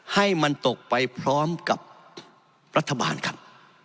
ให้มันตกไปพร้อมกับรัฐบาลครับ